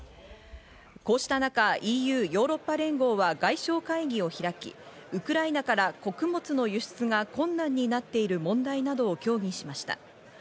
こうした中、ＥＵ＝ヨーロッパ連合は外相会議を開き、ウクライナから穀物の輸出が困難になっている問題などを協議しました。